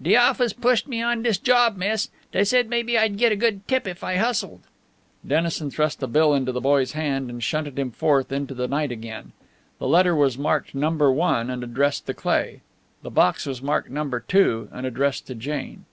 "De office pushed me on dis job, miss. Dey said maybe I'd git a good tip if I hustled." Dennison thrust a bill into the boy's hand and shunted him forth into the night again. The letter was marked Number One and addressed to Cleigh; the box was marked Number Two and addressed to Jane.